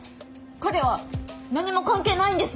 彼は何も関係ないんです！